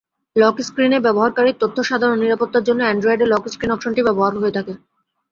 লকস্ক্রিনে ব্যবহারকারীর তথ্যসাধারণ নিরাপত্তার জন্য অ্যান্ড্রয়েডে লকস্ক্রিনে অপশনটি ব্যবহার করা হয়ে থাকে।